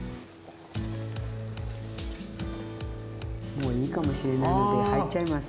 もういいかもしれないので入っちゃいます。